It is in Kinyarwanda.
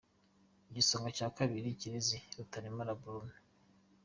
Igisonga cya Kabiri: Kirezi Rutaremara Brune.